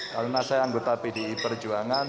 karena saya anggota pdi perjuangan